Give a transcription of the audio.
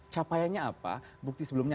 capaiannya apa bukti sebelumnya